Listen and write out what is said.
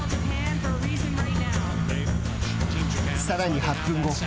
さらに８分後。